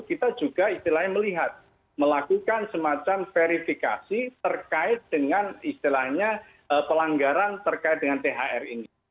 kita juga istilahnya melihat melakukan semacam verifikasi terkait dengan istilahnya pelanggaran terkait dengan thr ini